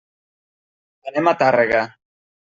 Anem a Tàrrega.